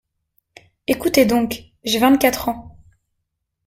Ecoutez donc, j’ai vingt-quatre ans !